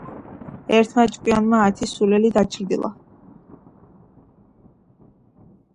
ერთმა ჭკვიანმა ათი სულელი დაჩრდილა.